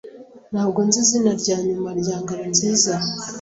Ntabwo nzi izina rya nyuma rya Ngabonziza.